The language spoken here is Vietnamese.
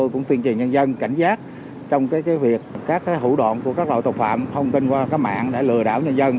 các hữu đoạn của các loại tộc phạm thông tin qua các mạng để lừa đảo người dân